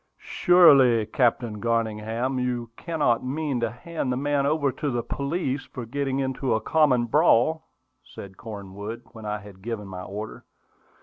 "Surely, Captain Garningham, you cannot mean to hand the man over to the police for getting into a common brawl," said Cornwood, when I had given my order.